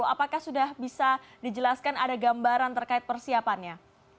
apakah sudah bisa dijelaskan ada gambaran terkait persiapannya